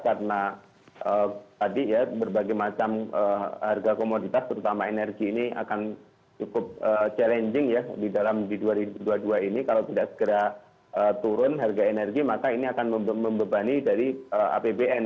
karena tadi ya berbagai macam harga komoditas terutama energi ini akan cukup challenging ya di dalam di dua ribu dua puluh dua ini kalau tidak segera turun harga energi maka ini akan membebani dari apbn